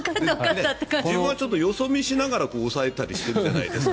自分はよそ見をしながら押さえたりするじゃないですか。